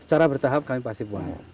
secara bertahap kami pasti buang